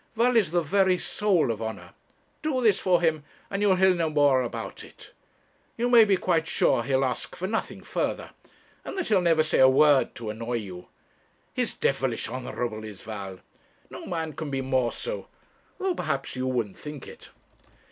Val is the very soul of honour. Do this for him, and you'll hear no more about it. You may be quite sure he'll ask for nothing further, and that he'll never say a word to annoy you. He's devilish honourable is Val; no man can be more so; though, perhaps, you wouldn't think it.'